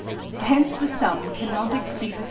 hence the sum cannot exceed 30."